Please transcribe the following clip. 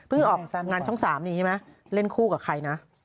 เพิ่งออกงานช่องสามนี้ใช่ไหมเล่นคู่กับใครนะ